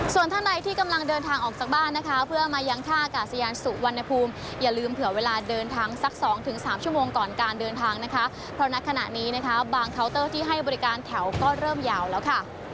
ส่วนท่านใดที่กำลังเดินทางออกจากบ้านนะคะเพื่อมายังท่าอากาศยานสุวรรณภูมิอย่าลืมเผื่อเวลาเดินทางสักสองถึงสามชั่วโมงก่อนการเดินทางนะคะเพราะนักขณะนี้นะคะบางเคาน์เตอร์ที่ให้บริการแถวก็เริ่มยาวแล้วค่ะ